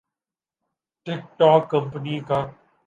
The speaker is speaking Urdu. ٹک ٹوک کمپنی کا